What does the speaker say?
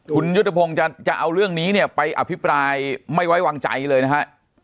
คุณยุทธพงศ์จะเอาเรื่องนี้เนี่ยไปอภิปรายไม่ไว้วางใจเลยนะฮะ